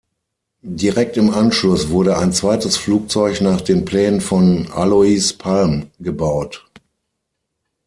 Direkt im Anschluss wurde ein zweites Flugzeug nach den Plänen von Alois Palm gebaut.